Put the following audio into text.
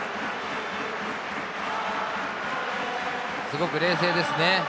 すごく冷静ですね。